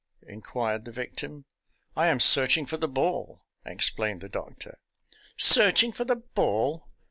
" inquired the victim. " I am searching for the ball," explained the doctor. " Searching for the ball?